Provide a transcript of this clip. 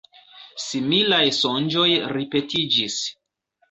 Similaj sonĝoj ripetiĝis.